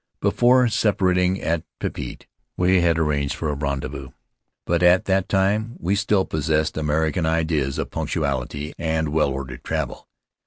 Before separating at Papeete we had arranged for a rendezvous, but at that time we still possessed American In the Cloud of Islands ideas of punctuality and well ordered travel.